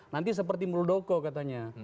nanti seperti muldoko katanya